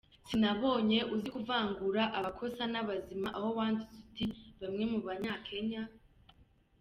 Sinabonye uzi kuvangura abakosa n’abazima, aho wanditse uti ‘ bamwe mu Banyakenya… ?